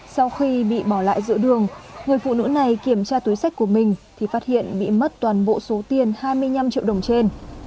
sau khi bị bỏ lại giữa đường người phụ nữ này kiểm tra túi sách của mình thì phát hiện bị mất toàn bộ số tiền hai mươi năm triệu đồng trên